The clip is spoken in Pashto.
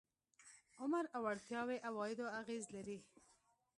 عمر او وړتیاوې عوایدو اغېز لري.